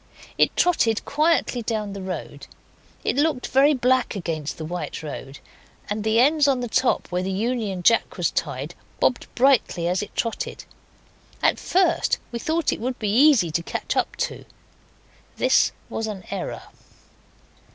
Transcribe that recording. It trotted quietly down the road; it looked very black against the white road, and the ends on the top, where the Union Jack was tied, bobbed brightly as it trotted. At first we thought it would be easy to catch up to it. This was an error.